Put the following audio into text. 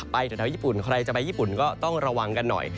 แถวญี่ปุ่นใครจะไปญี่ปุ่นก็ต้องระวังกันหน่อย